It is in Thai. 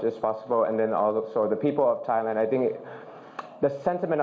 วันนี้เป็นวันใหม่และหวังว่ามันจะเป็นเวลาที่มีความหวัง